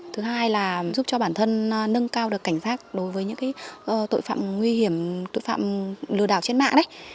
thứ hai là giúp cho bản thân nâng cao được cảnh giác đối với những tội phạm nguy hiểm tội phạm lừa đảo trên mạng đấy